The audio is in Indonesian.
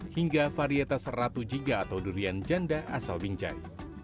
hingga varietas ratu jiga atau durian janda asal binjai